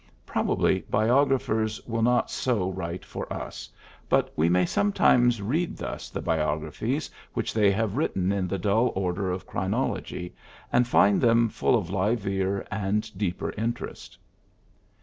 ... Probably biographers will not so write for us j but we may sometimes read thus the biographies which they have written in the dull order of chro nology, and find them full of livelier and deeper interest.'